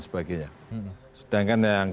sebagainya sedangkan yang